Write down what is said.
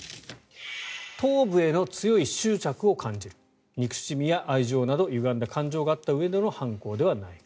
頭部への強い執着を感じる憎しみや愛情などゆがんだ感情があったうえでの犯行ではないか。